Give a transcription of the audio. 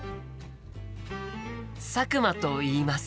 佐久間といいます。